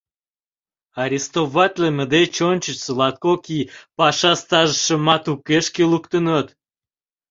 Арестоватлыме деч ончычсо латкок ий паша стажшымат укешке луктыныт.